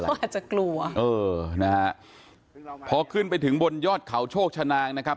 เขาอาจจะกลัวเออนะฮะพอขึ้นไปถึงบนยอดเขาโชคชนางนะครับ